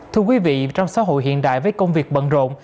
thưa quý vị trong xã hội hiện đại với công việc bận rộn